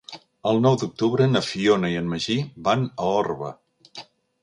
El nou d'octubre na Fiona i en Magí van a Orba.